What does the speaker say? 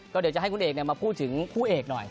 ก็เดี๋ยวจะให้คุณเอกมาพูดถึงคู่เอกหน่อย